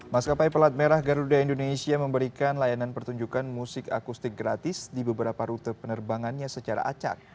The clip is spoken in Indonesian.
maskapai pelat merah garuda indonesia memberikan layanan pertunjukan musik akustik gratis di beberapa rute penerbangannya secara acak